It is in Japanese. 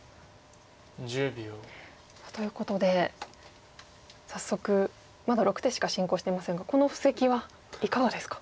１０秒。ということで早速まだ６手しか進行していませんがこの布石はいかがですか？